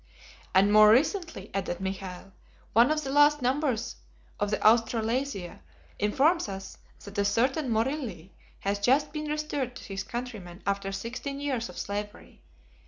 "And more recently," added Michael, "one of the last numbers of the AUSTRALASIA informs us that a certain Morrilli has just been restored to his countrymen after sixteen years of slavery.